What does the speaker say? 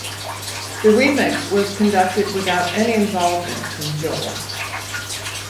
The remix was conducted without any involvement from Joel.